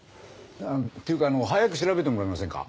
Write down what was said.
っていうかあの早く調べてもらえませんか？